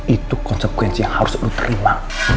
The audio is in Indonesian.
itu konsekuensi yang harus lo terima